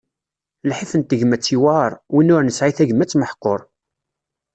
Lḥif n tegmat yewɛer, win ur nesɛi tagmat meḥqur.